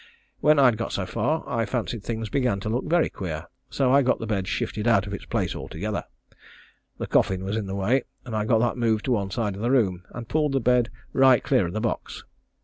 When I'd got so far, I fancied things began to look very queer, so I got the bed shifted out of its place altogether. The coffin was in the way, and I got that moved to one side of the room, and pulled the bed right clear of the box.